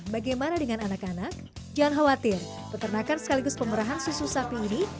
bagaimana dengan anak anak jangan khawatir peternakan sekaligus pemerahan susu sapi ini